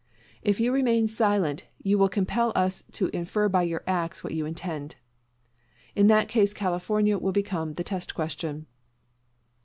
If you remain silent you will compel us to infer by your acts what you intend. In that case California will become the test question.